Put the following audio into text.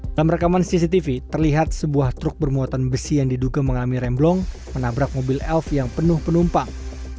dalam rekaman cctv terlihat sebuah truk bermuatan besi yang diduga mengalami remblong menabrak mobil elf yang penuh penumpang